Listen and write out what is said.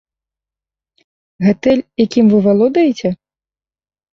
Гатэль, якім вы валодаеце?